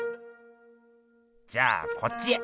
じゃあこっちへ。